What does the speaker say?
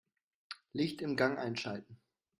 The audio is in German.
Licht im Gang einschalten.